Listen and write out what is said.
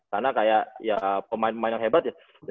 karena kayak pemain pemain yang hebat ya